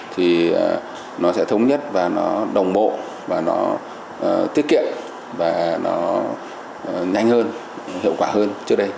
thì nó sẽ thống nhất và nó đồng bộ và nó tiết kiệm và nó nhanh hơn hiệu quả hơn trước đây